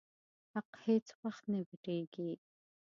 حق هيڅ وخت نه پټيږي.